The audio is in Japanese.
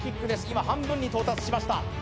今半分に到達しました